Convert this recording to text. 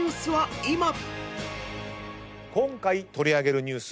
今回取り上げるニュース